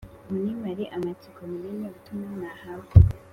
munimare amatsiko mumenye ubutumwa mwahawe